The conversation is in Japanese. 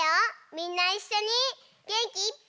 みんないっしょにげんきいっぱい。